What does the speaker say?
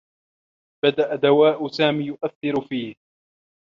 بدأ دواء سامي يؤثّر فيه.